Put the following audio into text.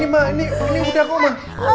iya ini ma ini udah kok ma